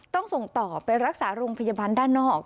ต้องส่งต่อไปรักษาโรงพยาบาลด้านนอก